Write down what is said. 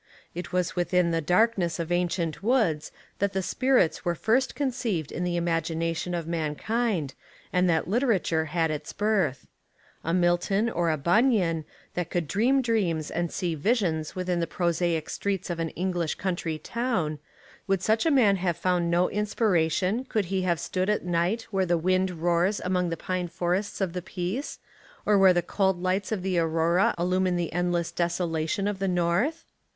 It was within the darkness of ancient woods that the spirits were first conceived in the imagination of mankind and that literature had its birth. A Milton or a Bunyan, that could dream dreams and see visions within the prosaic streets of an English country town — would such a man have found no inspiration could he have stood at night where the wind roars among the pine for ests of the Peace, or where the cold lights of the Aurora illumine the endless desolation of 71 Essays and Literary Studies the north?